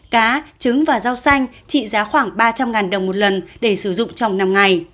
cá trứng và rau xanh trị giá khoảng ba trăm linh đồng một lần để sử dụng trong năm ngày